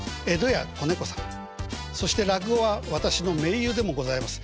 そして落語は私の盟友でもございます